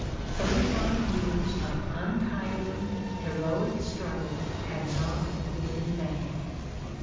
Thirty five years of untiring, heroic struggle had not been in vain.